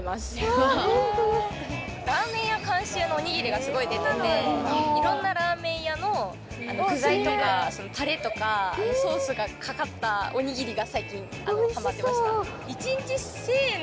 ラーメン屋監修のおにぎりがすごい出てていろんなラーメン屋の具材とかタレとかソースがかかったおにぎりが最近ハマってました。